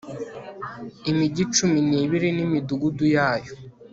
imigi cumi n'ibiri n'imidugudu yayo